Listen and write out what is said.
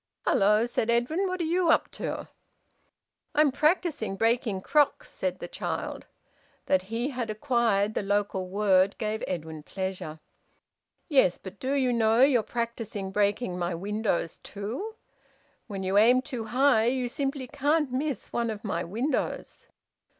"Hello!" said Edwin. "What are you up to?" "I'm practising breaking crocks," said the child. That he had acquired the local word gave Edwin pleasure. "Yes, but do you know you're practising breaking my windows too? When you aim too high you simply can't miss one of my windows."